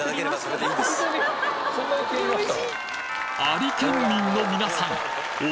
アリ県民の皆さん！